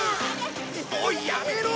おいやめろ！